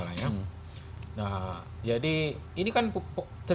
nah jadi ini kan terjadi pembusukan